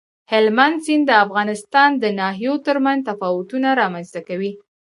هلمند سیند د افغانستان د ناحیو ترمنځ تفاوتونه رامنځ ته کوي.